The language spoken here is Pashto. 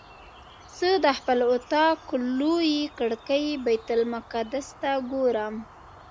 زه د خپل اطاق له لویې کړکۍ بیت المقدس ته ګورم.